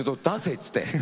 っつって。